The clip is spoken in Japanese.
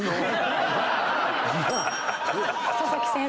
佐々木先生。